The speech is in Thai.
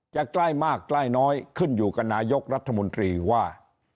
ใกล้มากใกล้น้อยขึ้นอยู่กับนายกรัฐมนตรีว่า